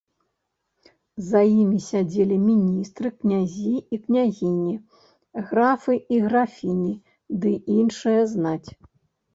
За імі сядзелі міністры, князі і княгіні, графы і графіні ды іншая знаць.